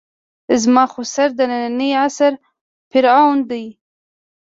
زما خُسر د نني عصر فرعون ده.